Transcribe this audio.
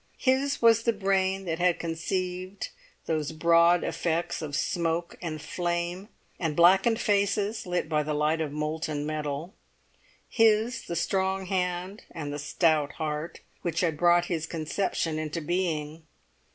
His was the brain that had conceived those broad effects of smoke and flame, and blackened faces lit by the light of molten metal; his the strong hand and the stout heart which had brought his conception into being.